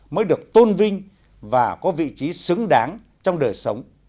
mới được tôn vinh và có vị trí xứng đáng trong đời sống